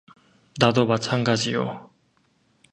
나도 마찬가지요.